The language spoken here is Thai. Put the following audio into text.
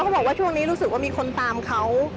เขาบอกว่าช่วงนี้รู้สึกว่ามีคนตามเขา